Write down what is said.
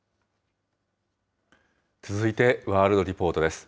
続いてワールドリポートです。